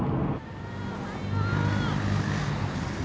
おはよう。